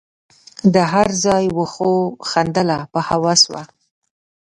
د هر ځای وښو خندله په هوس وه